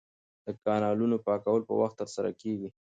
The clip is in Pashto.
د کانالونو پاکول په وخت ترسره کیږي.